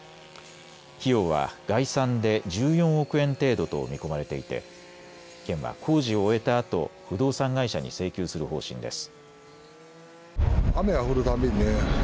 費用は概算で１４億円程度と見込まれていて県は工事を終えたあと不動産会社に請求する方針です。